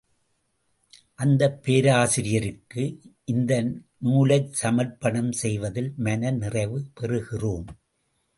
அந்தப் பேராசிரியருக்கு இந்த நூலை சமர்ப்பணம் செய்வதில் மன நிறைவு பெறுகிறோம்.